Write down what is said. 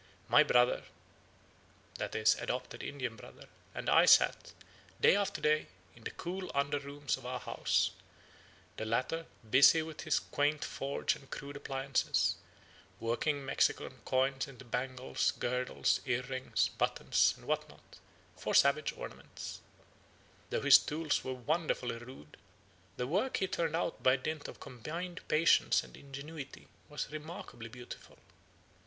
My brother [i.e. adopted Indian brother] and I sat, day after day, in the cool under rooms of our house, the latter busy with his quaint forge and crude appliances, working Mexican coins over into bangles, girdles, ear rings, buttons, and what not, for savage ornament. Though his tools were wonderfully rude, the work he turned out by dint of combined patience and ingenuity was remarkably beautiful.